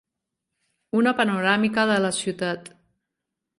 Una panoràmica de la ciutat.